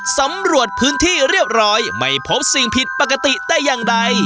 สำรวจพื้นที่เรียบร้อยไม่พบสิ่งผิดปกติแต่อย่างใด